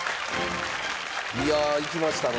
いやあいきましたね。